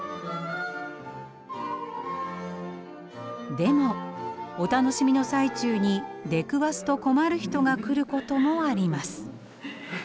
でもお楽しみの最中に出くわすと困る人が来ることもあります。